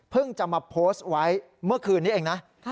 จะมาโพสต์ไว้เมื่อคืนนี้เองนะ